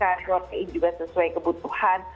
karbohidratnya juga sesuai kebutuhan